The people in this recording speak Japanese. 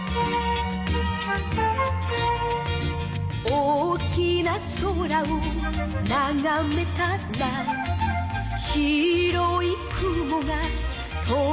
「大きな空をながめたら」「白い雲が飛んでいた」